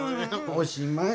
おしまい。